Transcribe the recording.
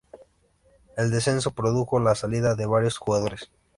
El descenso produjo la salida de varios jugadores.